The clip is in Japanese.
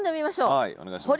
はいお願いします。